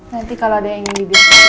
nanti kalau ada yang ingin